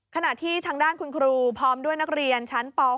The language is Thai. ขณะที่ทางด้านคุณครูพร้อมด้วยนักเรียนชั้นป๖